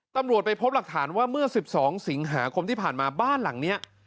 ตำรวจไปพบหลักฐานว่าเมื่อ๑๒สิงหาคมที่ผ่านมาบ้านหลังนี้